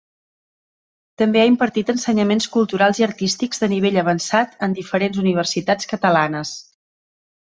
També ha impartit ensenyaments culturals i artístics de nivell avançat en diferents universitats catalanes.